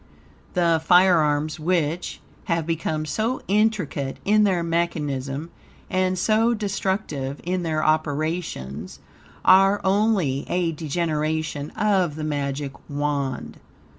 The firearms which have become so intricate in their mechanism and so destructive in their operations, are only a degeneration of the Magic Wand.